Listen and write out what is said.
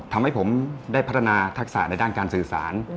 ทำให้ผมได้พัฒนาทักษะในด้านการสื่อสาร